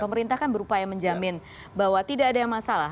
pemerintah kan berupaya menjamin bahwa tidak ada yang masalah